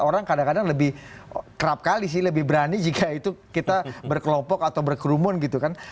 orang kadang kadang lebih kerap kali sih lebih berani jika itu kita berkelompok atau berkerumun gitu kan